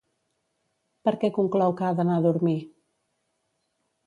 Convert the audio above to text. Per què conclou que ha d'anar a dormir?